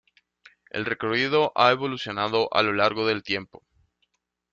El recorrido ha evolucionado a lo largo del tiempo.